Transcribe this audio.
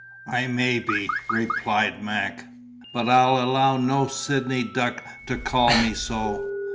"I may be," replied Mac, "but I'll allow no Sydney duck to call me so.